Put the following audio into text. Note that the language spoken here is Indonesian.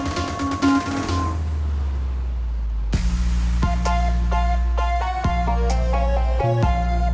dia pernah klik kont glitch bosses lainnya